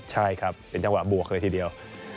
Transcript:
ใช่ครับเป็นจังหวะบวกเลยทีเดียว